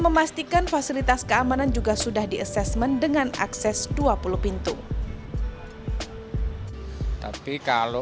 memastikan fasilitas keamanan juga sudah di assessment dengan akses dua puluh pintu tapi kalau